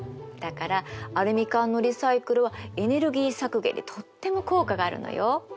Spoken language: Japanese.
だからアルミ缶のリサイクルはエネルギー削減にとっても効果があるのよ。